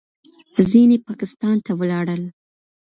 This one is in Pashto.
ځینې پاکستان ته ولاړل.